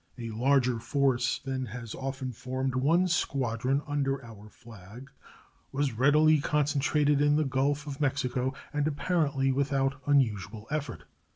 A larger force than has often formed one squadron under our flag was readily concentrated in the Gulf of Mexico, and apparently without unusual effort.